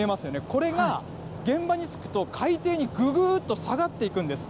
これが現場につくと、海底にぐぐっと下がっていくんです。